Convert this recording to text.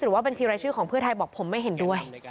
บัญชีรายชื่อของเพื่อไทยบอกผมไม่เห็นด้วย